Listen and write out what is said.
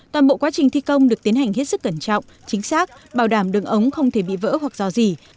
toàn bộ quá trình thi công được tiến hành hết sức cẩn trọng chính xác bảo đảm đường ống không thể bị vỡ hoặc do dỉ